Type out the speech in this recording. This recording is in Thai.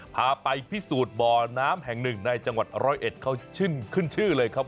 พาไปพิสูจน์บ่อน้ำแห่งหนึ่งในจังหวัดร้อยเอ็ดเขาขึ้นชื่อเลยครับ